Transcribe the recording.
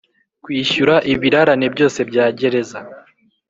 kwishyura ibirarane byose bya gereza